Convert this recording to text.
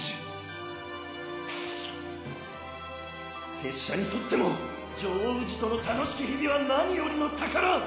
拙者にとってもジョー氏との楽しき日々はなによりの宝！